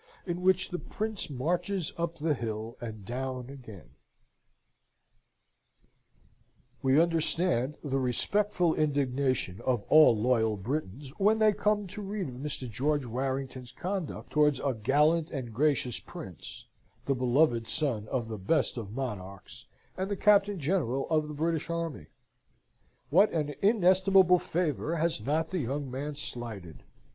In which the Prince marches up the Hill and down again We understand the respectful indignation of all loyal Britons when they come to read of Mr. George Warrington's conduct towards a gallant and gracious Prince, the beloved son of the best of monarchs, and the Captain General of the British army. What an inestimable favour has not the young man slighted!